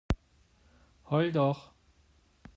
Heul doch!